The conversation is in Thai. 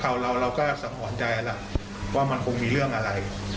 แต่เราเราก็สังหวัญใจแล้วว่ามันคงมีเรื่องอะไร